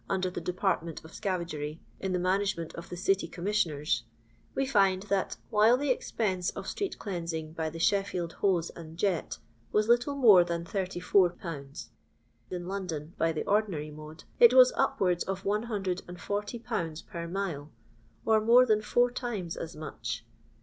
under the department of scavagery in the management of the City Conunissioners, we find that while the expense of street cleansing by the Sheffield hose and jet was little more than 84/., in London, by the ordinary mode, it was upwards of 140/. per mile, or more than four times as much.